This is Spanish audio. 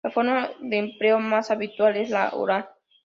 La forma de empleo más habitual es la oral.